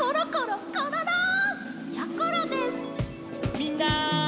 みんな！